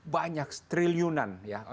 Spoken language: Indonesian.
banyak triliunan ya